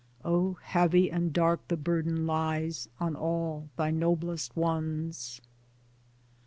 Oh ! heavy and dark the burden lies On all thy noblest ones.